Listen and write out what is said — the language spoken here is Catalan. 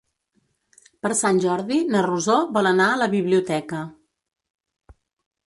Per Sant Jordi na Rosó vol anar a la biblioteca.